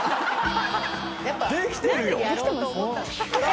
「できてるよ！」